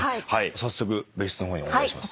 早速別室の方にお願いします。